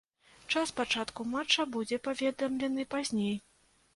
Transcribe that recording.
Час пачатку матчу будзе паведамлены пазней.